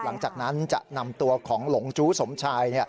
หลังจากนั้นจะนำตัวของหลงจู้สมชาย